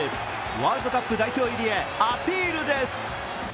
ワールドカップ代表入りへアピールです。